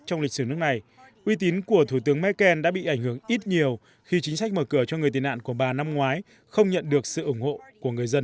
trong lịch sử nước này uy tín của thủ tướng merkel đã bị ảnh hưởng ít nhiều khi chính sách mở cửa cho người tị nạn của bà năm ngoái không nhận được sự ủng hộ của người dân